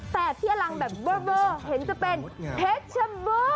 แต่ที่อลังแบบเบอร์เห็นจะเป็นเพชรชัมเบอร์